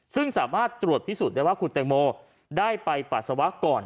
ซึ่งสามารถตรวจพิสูจน์ได้ว่าคุณแตงโมได้ไปปัสสาวะก่อน